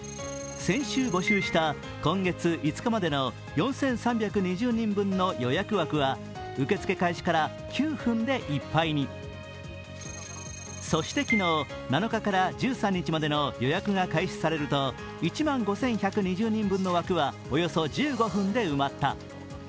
先週募集した今月５日までの４３２０人分の予約枠は受け付け開始から９分でいっぱいにそして昨日、７日から１３日までの予約が開始されると１万５１２０人分の枠はおよそ１５分で埋まった。